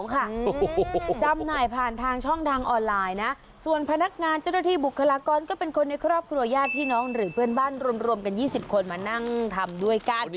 จำหน่ายผ่านทางช่องทางออนไลน์นะส่วนพนักงานเจ้าหน้าที่บุคลากรก็เป็นคนในครอบครัวญาติพี่น้องหรือเพื่อนบ้านรวมกัน๒๐คนมานั่งทำด้วยกัน